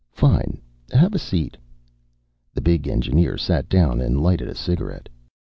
"Fine. Have a seat." The big engineer sat down and lighted a cigarette.